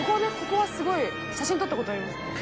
ここはすごい写真撮った事あります」